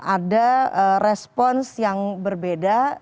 ada respons yang berbeda